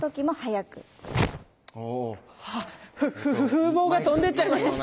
風防が飛んでっちゃいました。